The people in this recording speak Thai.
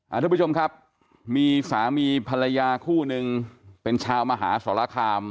ทุกผู้ชมครับมีสามีภรรยาคู่นึงเป็นชาวมหาสรคาม